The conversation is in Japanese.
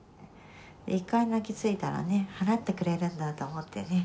一回泣きついたらね払ってくれるんだと思ってね。